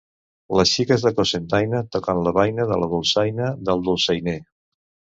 Les xiques de Cocentaina toquen la baina de la dolçaina del dolçainer.